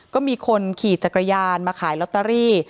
ก็มีคนขี่จักรยานมาขายลอตเตอรี่